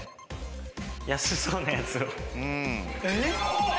安そうなやつ。